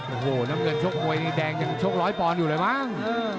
โอ้โหน้ำเงินชกมวยนี่แดงยังชกร้อยปอนดอยู่เลยมั้ง